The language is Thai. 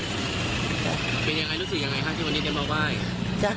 เป็นยังไงรู้สึกยังไงครับที่วันนี้ได้มาไหว้จ้ะ